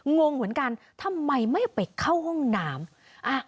งงเหมือนกันทำไมไม่ไปเข้าห้องน้ำ